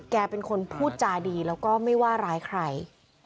แกเป็นคนพูดจาดีแล้วก็ไม่ว่าร้ายใคร